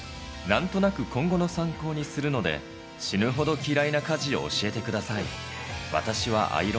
なんとなく今後の参考にするので、死ぬほど嫌いな家事を教えてください。